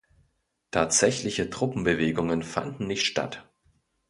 Tatsächliche Truppenbewegungen fanden nicht statt.